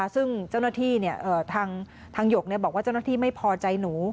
ซึ่งเจ้าหน้าที่ทางหยกบอกว่าเจ้าหน้าที่ไม่พอใจหนู